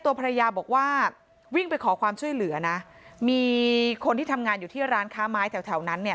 ตัวภรรยาบอกว่าวิ่งไปขอความช่วยเหลือนะมีคนที่ทำงานอยู่ที่ร้านค้าไม้แถวแถวนั้นเนี่ย